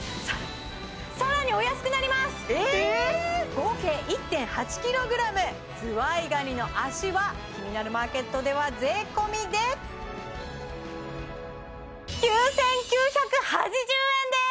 合計１．８ｋｇズワイガニの脚は「キニナルマーケット」では税込で９９８０円です！